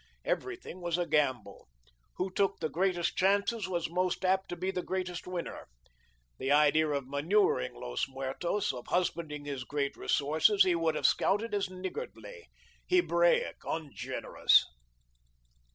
Everything was a gamble who took the greatest chances was most apt to be the greatest winner. The idea of manuring Los Muertos, of husbanding his great resources, he would have scouted as niggardly, Hebraic, ungenerous.